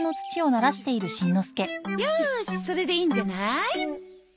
よしそれでいいんじゃない？